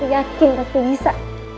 yakin pasti bisa